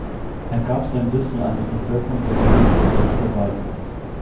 Er gab sein Wissen an die Bevölkerung der umliegenden Dörfer weiter.